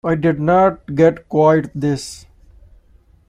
I did not get quite this.